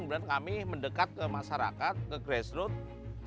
kemudian kami mendekat ke masyarakat ke grassroots